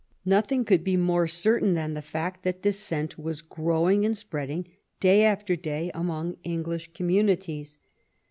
Nothing could be more certain than the fact that dissent was growing and spreading day after day among English communities.